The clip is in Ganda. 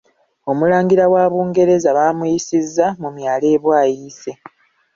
Omulangira wa Bungereza baamuyisizza mu myala e Bwaise.